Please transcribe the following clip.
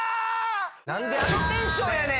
なんであのテンションやねん！